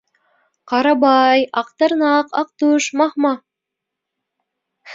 Ҡарабай, Аҡтырнаҡ, Аҡтүш, маһ-маһ!